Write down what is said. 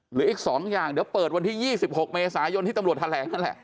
หรืออีก๒อย่างเดี๋ยวเปิดวันที่๒๖เมษายนที่ตำรวจแถลงนั่นแหละ